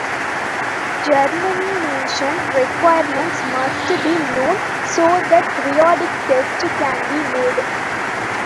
Germination requirements must be known so that periodic tests can be made.